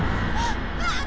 あっ！